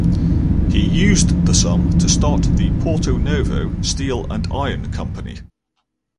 He used the sum to start the "Porto Novo Steel and Iron Company".